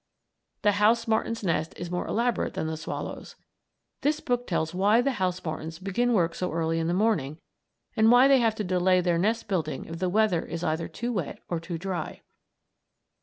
The house martin's nest is more elaborate than the swallow's. This book tells why the house martins begin work so early in the morning, and why they have to delay their nest building if the weather is either too wet or too dry.